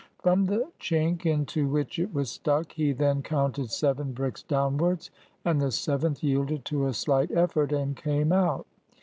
From the chink into which it was stuck he then counted seven bricks downwards, and the seventh yielded to a slight effort and came out.